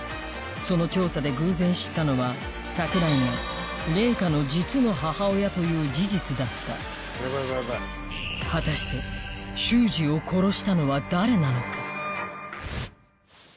その調査で偶然知ったのは桜井が玲香の実の母親という事実だった果たして秀司を殺したのは誰なのか？